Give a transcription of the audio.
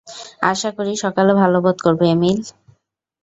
আশা করি সকালে ভালো বোধ করবে, এমিল।